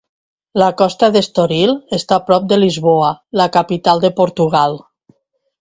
La costa d'Estoril està prop de Lisboa, la capital de Portugal.